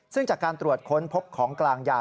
ซึ่งจากการตรวจค้นพบของกลางยา